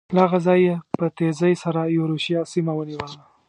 له هغه ځایه یې په تېزۍ سره یورشیا سیمه ونیوله.